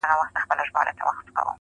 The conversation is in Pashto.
چي په دام كي اسير نه سي كوم موږك دئ،